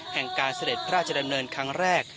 การเสด็จพระราชดำเนินครั้งแรก